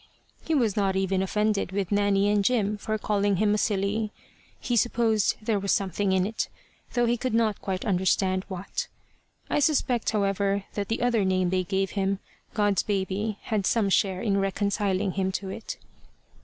He was not even offended with Nanny and Jim for calling him a silly. He supposed there was something in it, though he could not quite understand what. I suspect however that the other name they gave him, God's Baby, had some share in reconciling him to it.